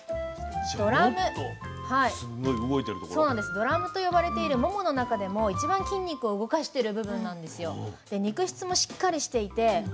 ドラムと呼ばれているモモの中でも一番筋肉を動かしてる部分なんですよ。で肉質もしっかりしていてうまみが強いのが特徴です。